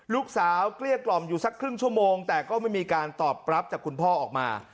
เกลี้ยกล่อมอยู่สักครึ่งชั่วโมงแต่ก็ไม่มีการตอบรับจากคุณพ่อออกมา